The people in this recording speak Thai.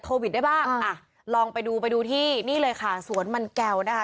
โควิดได้บ้างอ่ะลองไปดูไปดูที่นี่เลยค่ะสวนมันแก้วนะคะ